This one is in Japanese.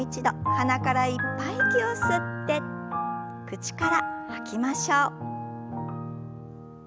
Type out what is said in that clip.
鼻からいっぱい息を吸って口から吐きましょう。